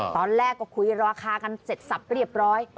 ตอนแรกก็คุยราคากันเสร็จสับเรียบร้อย